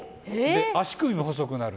足首も細くなる。